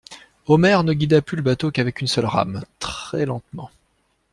Omer ne guida plus le bateau qu'avec une seule rame, très lentement.